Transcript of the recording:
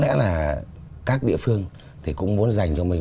cái thứ hai là có lẽ là các địa phương thì cũng muốn dành cho mình